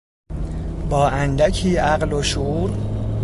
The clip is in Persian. با اندکی عقل و شعور